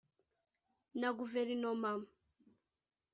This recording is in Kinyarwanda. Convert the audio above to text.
na guverinoma